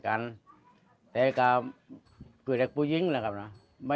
ครับผม